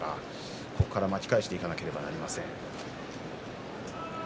ここから巻き返していかなければなりません。